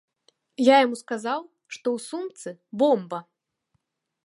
Я яму сказаў, што ў сумцы бомба.